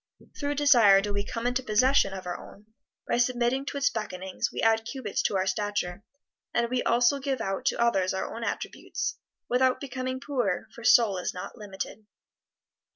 Through desire do we come into possession of our own; by submitting to its beckonings we add cubits to our stature; and we also give out to others our own attributes, without becoming poorer, for soul is not limited.